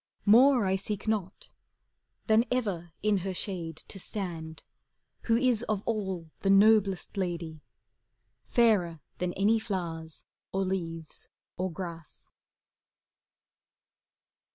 More I seek not, than ever in her shade To stand, who is of all the noblest lady. Fairer than any flowers, or leaves, or grass.